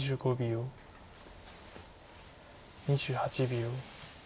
２８秒。